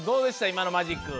いまのマジック。